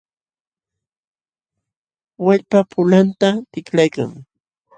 Wallpa pulanta tiklaykan.